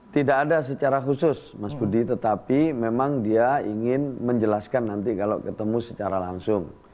tidak ada secara khusus mas budi tetapi memang dia ingin menjelaskan nanti kalau ketemu secara langsung